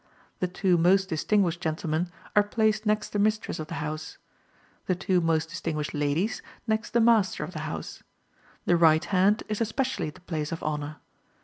The two most distinguished gentlemen are placed next the mistress of the house; the two most distinguished ladies next the master of the house; the right hand is especially the place of honor.